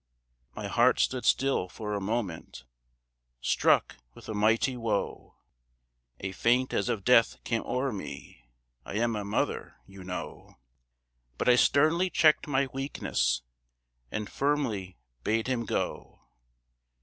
My heart stood still for a moment, Struck with a mighty woe; A faint as of death came o'er me, I am a mother, you know, But I sternly checked my weakness, And firmly bade him "Go."